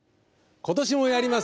今年もやります